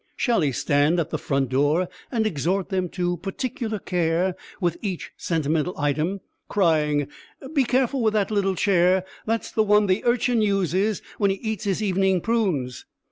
Shall he stand at the front door and exhort them to particular care with each sentimental item, crying "Be careful with that little chair; that's the one the Urchin uses when he eats his evening prunes!"